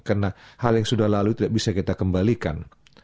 karena hal yang sudah lalu tidak bisa kita kembalikan